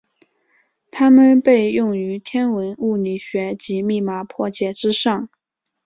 它们被用于天文物理学及密码破解之上。